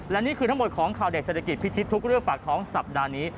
และนี่คือทั้งหมดของข่าวเด็กเศรษฐกิจพิชิตทุกเรื่องปากท้องสัปดาห์นี้